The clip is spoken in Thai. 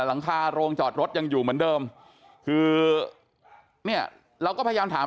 หลังคาโรงจอดรถยังอยู่เหมือนเดิมคือเนี่ยเราก็พยายามถาม